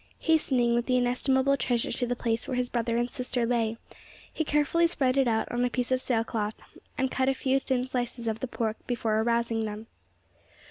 Hastening with the inestimable treasure to the place where his brother and sister lay, he carefully spread it out on a piece of sailcloth, and cut a few thin slices of the pork before arousing them.